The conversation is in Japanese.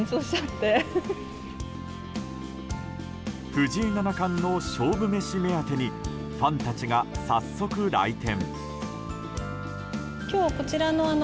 藤井七冠の勝負メシ目当てにファンたちが早速、来店。